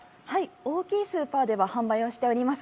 大きいスーパーでは販売をしております。